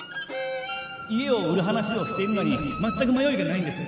家を売る話をしているのにまったく迷いがないんです